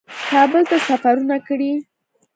کابل ته سفرونه کړي